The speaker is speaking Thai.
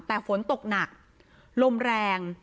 แต่ฝนตกหนักลมแรง